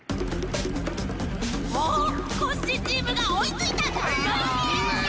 おおコッシーチームがおいついた！はいや！